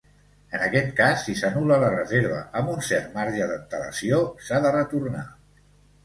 En aquest cas, si s'anul·la la reserva amb un cert marge d'antelació, s'ha de retornar.